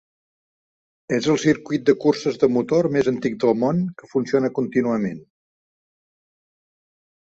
És el circuit de curses de motor més antic del món que funciona contínuament.